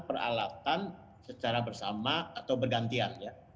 peralatan secara bersama atau bergantian ya